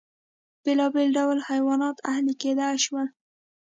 بېلابېل ډول حیوانات اهلي کېدای شول.